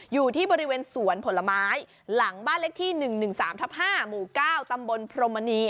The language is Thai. อยู่ที่บริเวณสวนผลไม้หลังบ้านเลขที่๑๑๓ทับ๕หมู่๙ตำบลพรมมณี